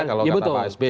kalau kata pak sp